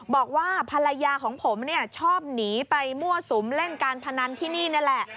บอกว่าภรรยาของผมเนี่ยชอบหนีไปมั่วสุมเล่นการพนันที่นี่นี่แหละ